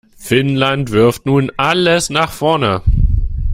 Finnland wirft nun alles nach vorne.